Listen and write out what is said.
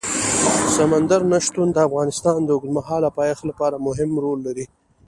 سمندر نه شتون د افغانستان د اوږدمهاله پایښت لپاره مهم رول لري.